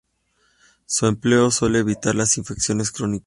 Su empleo suele evitar las infecciones crónicas.